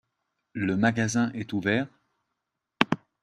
Le magasin est ouvert ?